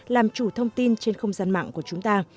làm chủ thông tin trên không gian mạng của chúng ta